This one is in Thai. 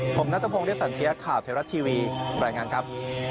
ผมนัทพงศ์เรียบสันเทียข่าวไทยรัฐทีวีรายงานครับ